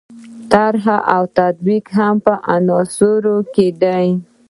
طرح او تطبیق هم په عناصرو کې دي.